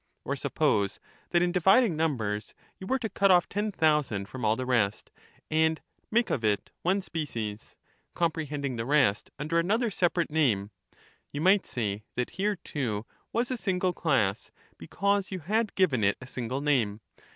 Or suppose that in dividing numbers you were to cut off ten thousand from all the rest, and make of it one species, comprehending the rest under another separate name, you might say that here too was a single class, because you had given it a single name.